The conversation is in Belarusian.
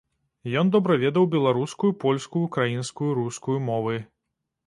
Ён добра ведаў беларускую, польскую, украінскую, рускую мовы.